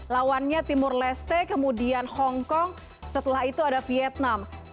lawannya timur leste kemudian hongkong setelah itu ada vietnam